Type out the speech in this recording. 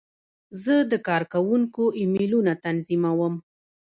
زه د کارکوونکو ایمیلونه تنظیموم.